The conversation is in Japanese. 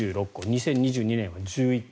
２０２２年、１１個。